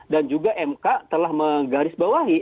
dan juga mk telah menggarisbawahi